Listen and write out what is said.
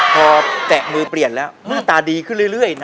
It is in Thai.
พอแตะมือเปลี่ยนแล้วหน้าตาดีขึ้นเรื่อยนะ